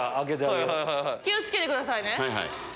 気を付けてくださいね。